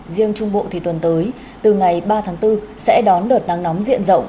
riêng trung bộ thì tuần tới từ ngày ba tháng bốn sẽ đón đợt nắng nóng diện rộng